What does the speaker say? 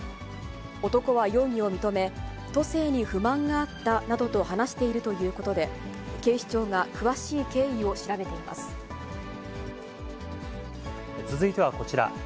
男は容疑を認め、都政に不満があったなどと話しているということで、警視庁が詳し続いてはこちら。